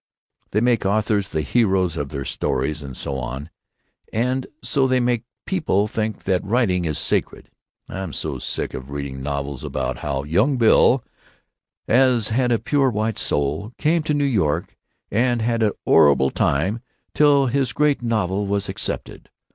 They make authors the heroes of their stories and so on, and so they make people think that writing is sacred. I'm so sick of reading novels about how young Bill, as had a pure white soul, came to New York and had an 'orrible time till his great novel was accepted.